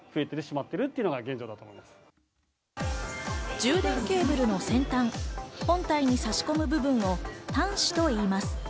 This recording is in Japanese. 充電ケーブルの先端、本体に差し込む部分を端子といいます。